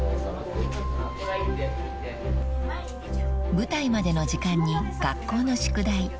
［舞台までの時間に学校の宿題］